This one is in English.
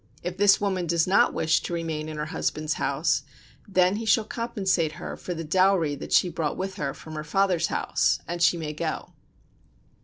If this woman does not wish to remain in her husband's house, then he shall compensate her for the dowry that she brought with her from her father's house, and she may go.